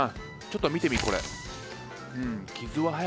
ちょっと見てみこれ。